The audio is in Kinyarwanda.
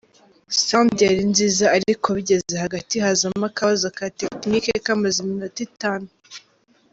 Sound yari nziza ariko bigeze hagati hazamo akabazo ka tekinike kamaze iminota itanu.